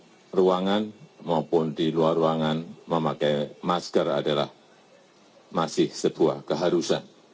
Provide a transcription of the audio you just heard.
di ruangan maupun di luar ruangan memakai masker adalah masih sebuah keharusan